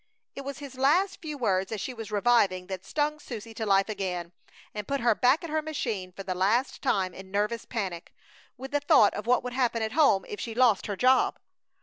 It was his last few words as she was reviving that stung Susie to life again and put her back at her machine for the last time in nervous panic, with the thought of what would happen at home if she lost her job.